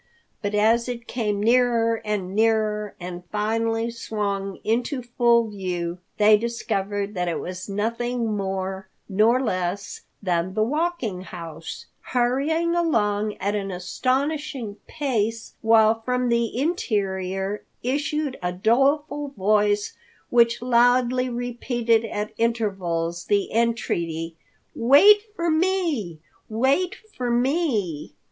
But as it came nearer and nearer and finally swung into full view, they discovered that it was nothing more nor less than the Walking House, hurrying along at an astonishing pace, while from the interior issued a doleful voice which loudly repeated at intervals the entreaty, "Wait for me! Wait for me!"